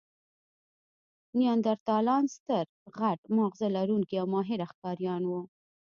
نیاندرتالان ستر، غټ ماغزه لرونکي او ماهره ښکاریان وو.